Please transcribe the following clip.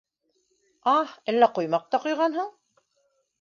Аһ, әллә ҡоймаҡ та ҡойғанһың?..